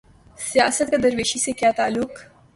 سیاست کا درویشی سے کیا تعلق؟